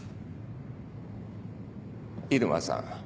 入間さん。